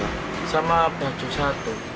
sama baju satu